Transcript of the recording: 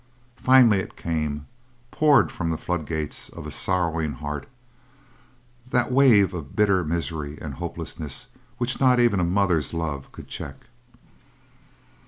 Finally it came, poured from the flood gates of a sorrowing heart; that wave of bitter misery and hopelessness which not even a mother's love could check.